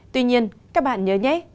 tuy nhiên các bạn nhớ nhé